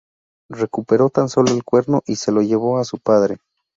Recuperó tan solo el cuerno y se lo llevó a su padre.